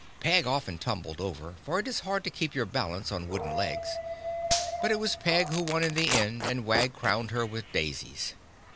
Peg often tumbled over, for it is hard to keep your balance on wooden legs, but it was Peg who won in the end and Wag crowned her with daisies.